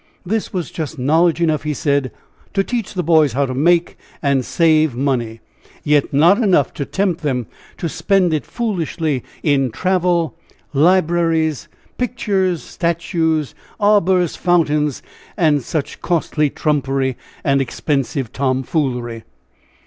This was just knowledge enough, he said, to teach the boys how to make and save money, yet not enough to tempt them to spend it foolishly in travel, libraries, pictures, statues, arbors, fountains, and such costly trumpery and expensive tomfoolery.